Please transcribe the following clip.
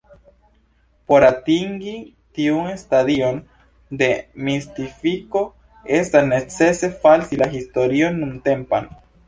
Por atingi tiun stadion de mistifiko, estas necese falsi la historion nuntempan.